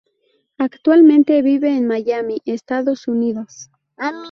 Actualmente vive en Miami, Estados Unidos.